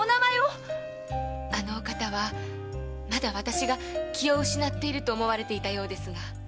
あのお方はまだ私が気を失っていると思われていたようですが。